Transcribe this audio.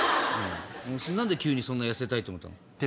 何で急にそんな痩せたいと思ったの？